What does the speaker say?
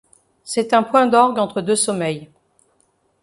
C’est un point d’orgue entre deux sommeils.